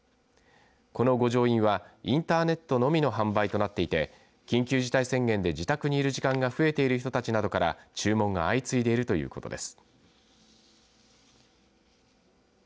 この御城印はインターネットのみの販売となっていて緊急事態宣言で自宅にいる時間が増えている人たちなどから注文が相次いでいるということです。